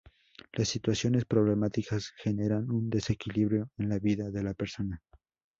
Las situaciones problemáticas generan un desequilibrio en la vida de la persona.